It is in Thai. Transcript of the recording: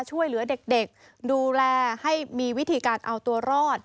ช่วยเหลือเด็กดูแลให้มีวิธีการเอาตัวรอด